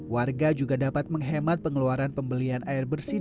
warga juga dapat menghemat pengeluaran pembelian air bersih